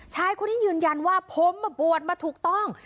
ชายคนนี้ยืนยันว่าผมมาบวชมาถูกต้อง